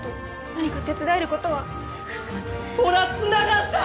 「何か手伝えることは？」ほらつながった！